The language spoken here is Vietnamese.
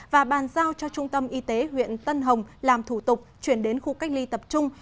và bàn giao cho trung tâm y tế huyện tân hồng làm thủ tục chuyển đến khu cách ly tập trung